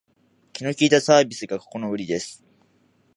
気の利いたサービスがここのウリです